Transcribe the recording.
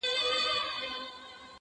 o ده ویله نه طالب یم نه ویلی مي مکتب دی,